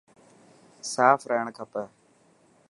صاف رهڻ کپي.